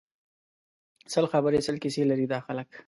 سل خبری سل کیسی لري دا خلک